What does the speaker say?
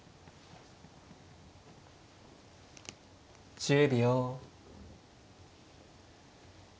１０秒。